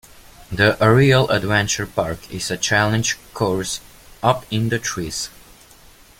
The Aerial Adventure Park is a challenge course up in the trees.